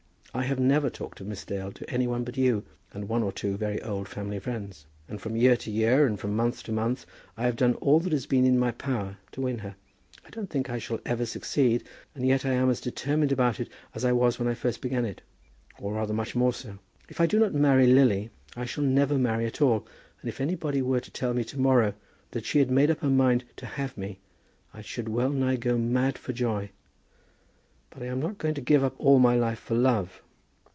I have never talked of Miss Dale to any one but you, and one or two very old family friends. And from year to year, and from month to month, I have done all that has been in my power to win her. I don't think I shall ever succeed, and yet I am as determined about it as I was when I first began it, or rather much more so. If I do not marry Lily, I shall never marry at all, and if anybody were to tell me to morrow that she had made up her mind to have me, I should well nigh go mad for joy. But I am not going to give up all my life for love.